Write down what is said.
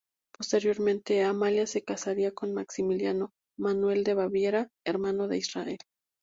Posteriormente Amalia se casaría con Maximiliano Manuel de Baviera, hermano de Isabel.